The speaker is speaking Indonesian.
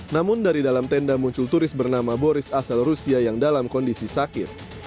namun dari dalam tenda muncul turis bernama boris asal rusia yang dalam kondisi sakit